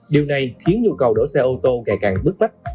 điều này khiến nhu cầu đổ xe ô tô càng càng bức bách